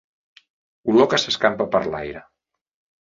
Olor que s'escampa per l'aire.